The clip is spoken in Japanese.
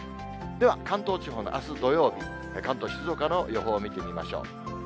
では関東地方、あす土曜日、関東、静岡の予報を見てみましょう。